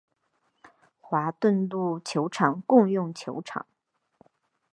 华顿路球场共用球场。